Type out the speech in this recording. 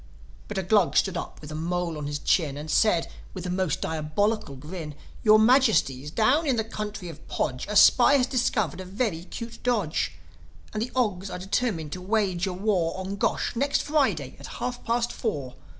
But a Glug stood up with a mole on his chin, And said, with a most diabolical grin, "Your Majesties, down in the country of Podge, A spy has discovered a very 'cute dodge. And the Ogs are determined to wage a war On Gosh, next Friday, at half past four."